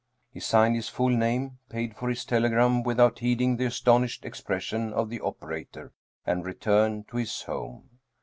He signed his full name, paid for his telegram without heeding the astonished expression of the operator, and returned to his home.